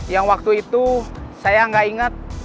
yang waktu itu saya nggak ingat